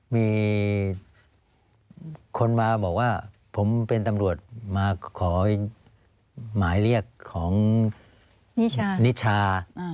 มีคนมาบอกว่าผมเป็นตำรวจมาขอหมายเรียกของนิชา